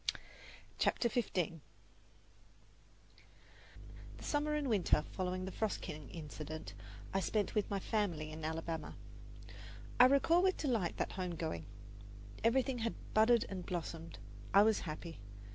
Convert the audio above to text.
CHAPTER XV The summer and winter following the "Frost King" incident I spent with my family in Alabama. I recall with delight that home going. Everything had budded and blossomed. I was happy.